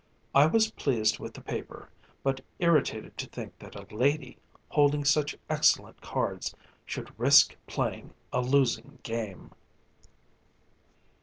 I was pleased with the paper, but irritated to think that a lady, holding such excellent cards, should risk playing a losing game.